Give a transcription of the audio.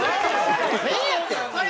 変やって！